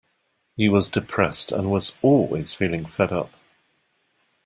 He was depressed, and was always feeling fed up.